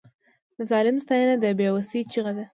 د ظالم ستاینه د بې وسۍ چیغه ده.